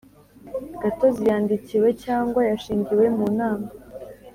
gatozi yandikiwe cyangwa yashingiwe mu nama